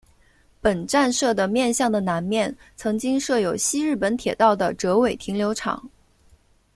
本站舍的面向的南面曾经设有西日本铁道的折尾停留场。